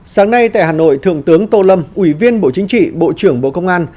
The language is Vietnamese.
sáng nay tại hà nội thượng tướng tô lâm ủy viên bộ chính trị bộ trưởng bộ công an